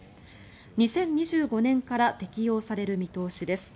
２０２５年から適用される見通しです。